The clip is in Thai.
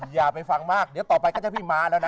อย่าไปฟังมากเดี๋ยวต่อไปก็จะพี่ม้าแล้วนะ